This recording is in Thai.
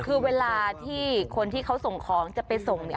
คือเวลาที่คนที่เขาส่งของจะไปส่งเนี่ย